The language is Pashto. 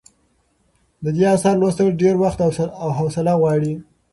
د دې اثر لوستل ډېر وخت او حوصله غواړي.